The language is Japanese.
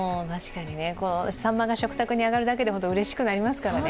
さんまが食卓に上がるだけでうれしくなりますからね。